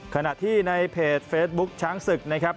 ขณะที่ในเพจเฟซบุ๊คช้างศึกนะครับ